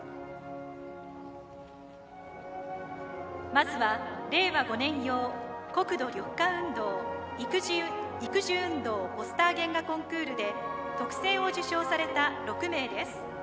まずは令和５年用国土緑化運動・育樹運動ポスター原画コンクールで特選を受賞された６名です。